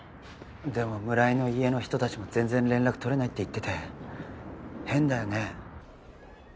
でも村井の家の人達も全然連絡取れないって言ってて変だよね